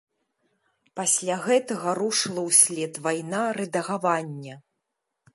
Пасля гэтага рушыла ўслед вайна рэдагавання.